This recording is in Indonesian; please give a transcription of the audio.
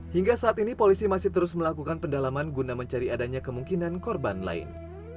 hingga saat ini polisi masih terus melakukan pendalaman guna mencari adanya kemungkinan korban lain